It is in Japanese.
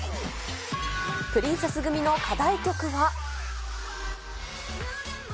プリンセス組の課題曲は？